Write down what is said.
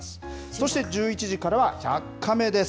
そして１１時からは、１００カメです。